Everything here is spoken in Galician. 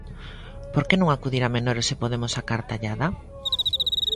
Por que non acudir a menores se podemos sacar tallada?